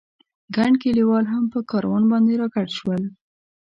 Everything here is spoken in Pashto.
ګڼ کلیوال هم په کاروان باندې را ګډ شول.